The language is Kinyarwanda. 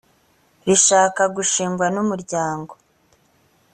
rishakwa gushingwa n umuryango